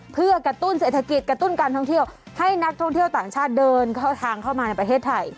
เพื่อกระตุ้นเศรษฐกิจกระตุ้นการท่องเที่ยวให้นักท่องเที่ยวต่างชาติเดินเข้าทางเข้ามาในประเทศไทย